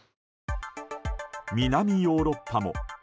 南ヨーロッパも。